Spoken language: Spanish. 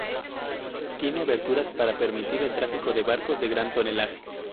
Tiene aberturas para permitir el tráfico de barcos de gran tonelaje.